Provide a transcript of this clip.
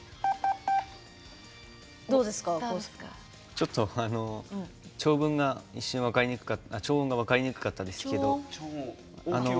ちょっと長音が分かりにくかったですけど。